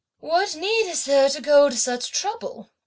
"What need is there to go to such trouble?"